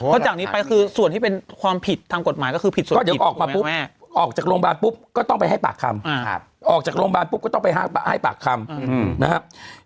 เพราะจากนี้ไปคือส่วนที่เป็นความผิดทางกฎหมายก็คือผิดส่วนก็เดี๋ยวออกมาปุ๊บออกจากโรงพยาบาลปุ๊บก็ต้องไปให้ปากคำออกจากโรงพยาบาลปุ๊บก็ต้องไปให้ปากคำนะครับ